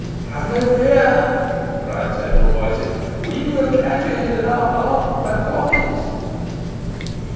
"Have no fear," cried several voices, "we will catch it in our palms and quaff it."